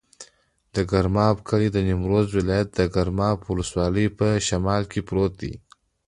د ګرماب کلی د نیمروز ولایت، ګرماب ولسوالي په شمال کې پروت دی.